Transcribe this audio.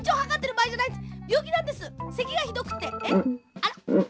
あら？